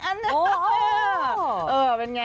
เออเป็นไง